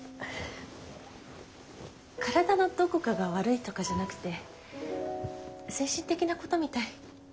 体のどこかが悪いとかじゃなくて精神的なことみたい。